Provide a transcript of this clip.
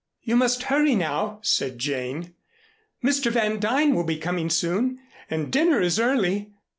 "You must hurry now," said Jane. "Mr. Van Duyn will be coming soon, and dinner is early.